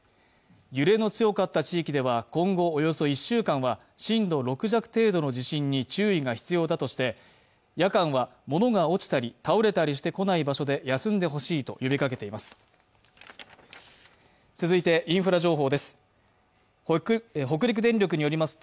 揺れの強かった地域では今後およそ１週間は震度６弱程度の地震に注意が必要だとして夜間は物が落ちたり倒れたりしてこない場所で休んでほしいと呼びかけています。